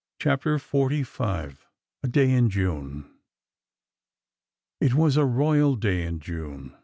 CHAPTER XLV A DAY IN JUNE I T was a royal day in June.